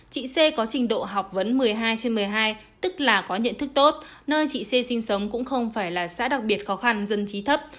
chị xê có trình độ học vấn một mươi hai trên một mươi hai tức là có nhận thức tốt nơi chị xê sinh sống cũng không phải là xã đặc biệt khó khăn dân trí thấp